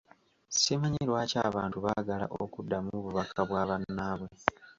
Simanyi lwaki abantu baagala okuddamu bubaka bwa bannaabwe?